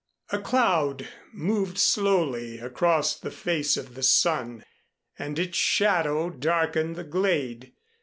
A cloud moved slowly across the face of the sun, and its shadow darkened the glade.